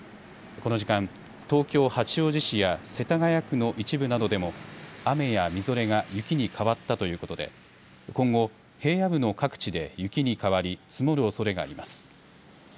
この時間、東京八王子市や世田谷区の一部などでも雨やみぞれが雪に変わったということで今後、平野部の各地で雪に変わり積もるおそれがあります。